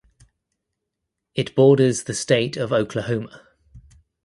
It borders the state of Oklahoma.